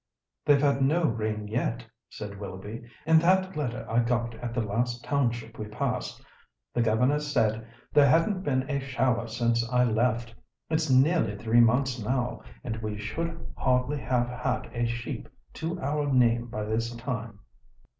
"They've had no rain yet," said Willoughby. "In that letter I got at the last township we passed, the governor said there hadn't been a shower since I left. It's nearly three months now, and we should hardly have had a sheep to our name by this time."